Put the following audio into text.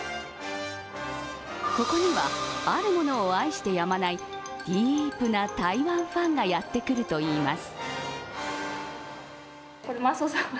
ここには、あるものを愛してやまないディープな台湾ファンがやってくるといいます。